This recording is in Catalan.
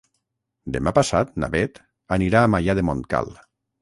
Demà passat na Beth anirà a Maià de Montcal.